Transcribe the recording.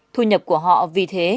thu nhập của họ vì thế